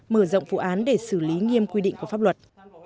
mở rộng vụ án để xử lý nghiêm quy định của pháp luật